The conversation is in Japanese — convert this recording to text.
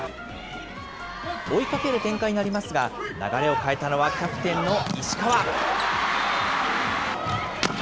追いかける展開になりますが、流れを変えたのはキャプテンの石川。